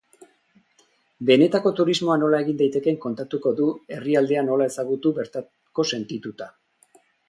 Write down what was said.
Benetako turismoa nola egin daitekeen kontatuko du, herrialdea nola ezagutu bertako sentituta.